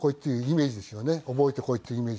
覚えてこいっていうイメージ。